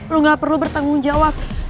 lu gak perlu bertanggung jawab